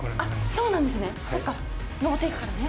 そうなんですね。